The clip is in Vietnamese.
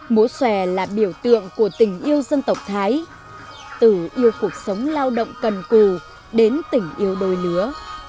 múa xòe là biểu tượng của tình yêu dân tộc thái từ yêu cuộc sống lao động cần cù đến tình yêu đôi lứa